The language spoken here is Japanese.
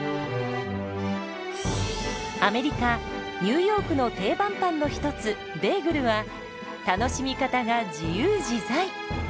アメリカ・ニューヨークの定番パンの一つベーグルは楽しみ方が自由自在！